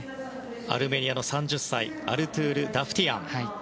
アルメニアの３０歳アルトゥール・ダフティアン。